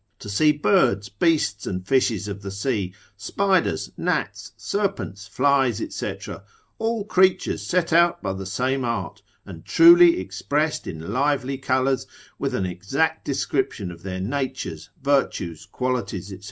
To see birds, beasts, and fishes of the sea, spiders, gnats, serpents, flies, &c., all creatures set out by the same art, and truly expressed in lively colours, with an exact description of their natures, virtues, qualities, &c.